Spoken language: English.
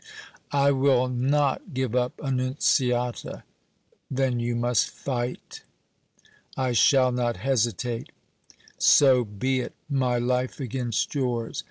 "I will not give up Annunziata!" "Then you must fight!" "I shall not hesitate!" "So be it! My life against yours!